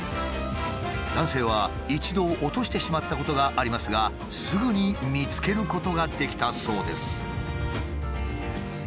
男性は一度落としてしまったことがありますがすぐに見つけることができたそうです。